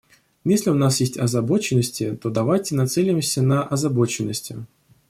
Если у нас есть озабоченности, то давайте нацелимся на озабоченности.